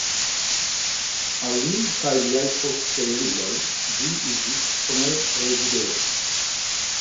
Al li kaj liaj posteuloj ĝi iĝis somera rezidejo.